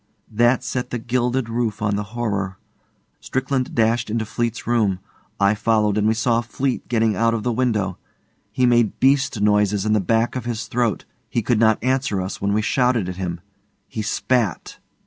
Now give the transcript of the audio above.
That set the gilded roof on the horror. Strickland dashed into Fleete's room. I followed, and we saw Fleete getting out of the window. He made beast noises in the back of his throat. He could not answer us when we shouted at him. He spat.